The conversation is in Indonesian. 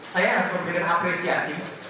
saya harus memberikan apresiasi